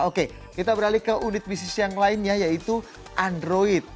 oke kita beralih ke unit bisnis yang lainnya yaitu android